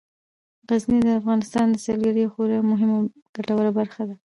غزني د افغانستان د سیلګرۍ یوه خورا مهمه او ګټوره برخه ده.